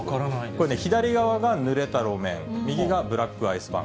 左側がぬれた路面、右がブラックアイスバーン。